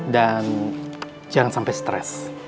dan jangan sampai stres